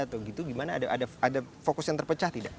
atau gitu gimana ada fokus yang terpecah tidak